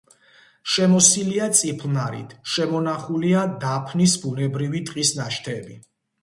შემოსილია წიფლნარით, შემონახულია დაფნის ბუნებრივი ტყის ნაშთები.